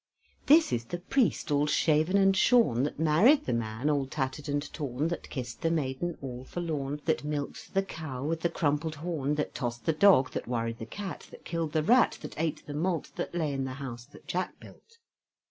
This is the priest all shaven and shorn, That married the man all tattered and torn, That kissed the maiden all forlorn, That milked the cow with the crumpled horn, That tossed the dog, That worried the cat, That killed the rat, That ate the malt That lay in the house that Jack built.